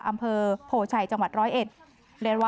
อำเภอโพชัยจังหวัดร้อยเอ็ด